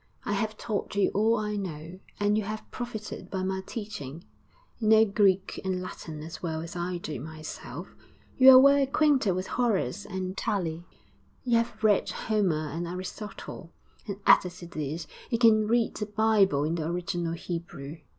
I have taught you all I know, and you have profited by my teaching; you know Greek and Latin as well as I do myself; you are well acquainted with Horace and Tully; you have read Homer and Aristotle; and added to this, you can read the Bible in the original Hebrew.